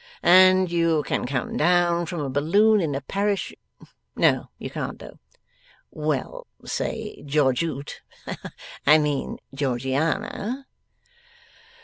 And you can come down from a balloon in a parach no you can't though. Well, say Georgeute I mean Georgiana.